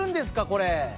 これ。